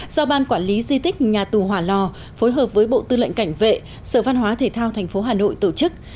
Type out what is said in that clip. do ban quản lý di tích nhà tù hòa lò phối hợp với bộ tư lệnh cảnh vệ sở văn hóa thể thao tp hà nội tổ chức